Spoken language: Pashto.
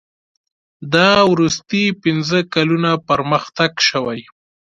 دا وروستي پنځه کلونه پرمختګ شوی.